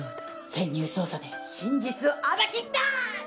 潜入捜査で真実を暴き出す！